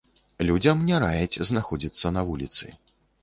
Людзям не раяць знаходзіцца на вуліцы.